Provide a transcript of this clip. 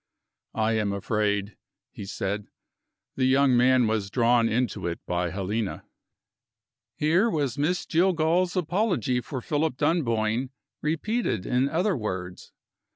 "I am afraid," he said, "the young man was drawn into it by Helena." Here was Miss Jillgall's apology for Philip Dunboyne repeated in other words.